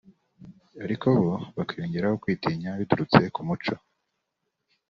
ariko bo hakiyongeraho kwitinya biturutse ku muco